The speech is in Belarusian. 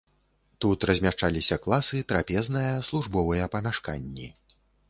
Тут размяшчаліся класы, трапезная, службовыя памяшканні.